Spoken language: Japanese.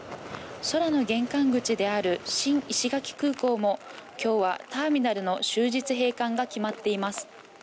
空の玄関口である新石垣空港も今日はターミナルの終日閉館が決まっています。